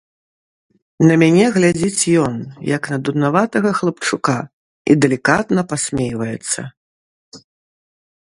На мяне глядзіць ён, як на дурнаватага хлапчука, і далікатна пасмейваецца.